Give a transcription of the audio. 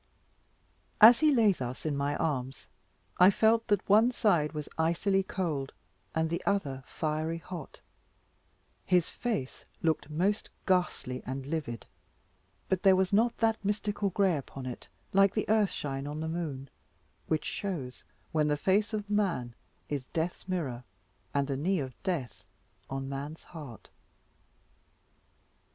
As he lay thus in my arms, I felt that one side was icily cold, and the other fiery hot. His face looked most ghastly and livid, but there was not that mystical gray upon it, like the earth shine on the moon, which shows when the face of man is death's mirror, and the knee of death on man's heart.